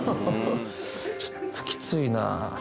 ちょっときついな。